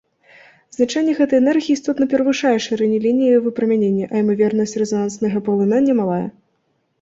Значэнне гэтай энергіі істотна перавышае шырыню лініі выпрамянення, а імавернасць рэзананснага паглынання малая.